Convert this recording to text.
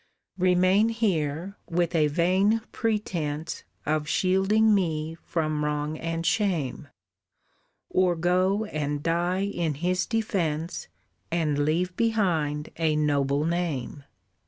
"Remain here, with a vain pretence Of shielding me from wrong and shame, Or go and die in his defence And leave behind a noble name.